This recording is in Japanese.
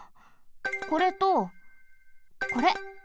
これとこれ！